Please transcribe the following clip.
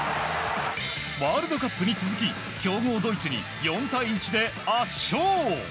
ワールドカップに続き強豪ドイツに４対１で圧勝。